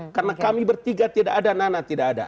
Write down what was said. karena kami bertiga tidak ada nana tidak ada